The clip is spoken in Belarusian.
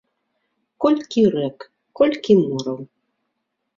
Колькі рэк, колькі мораў!